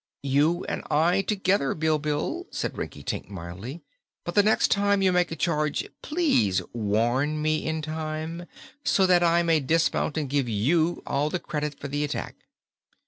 "You and I together, Bilbil," said Rinkitink mildly. "But the next time you make a charge, please warn me in time, so that I may dismount and give you all the credit for the attack."